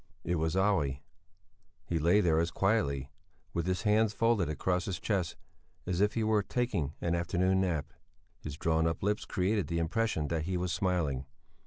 It was Olle. He lay there as quietly, with his hands folded across his chest, as if he were taking an afternoon nap. His drawn up lips created the impression that he was smiling.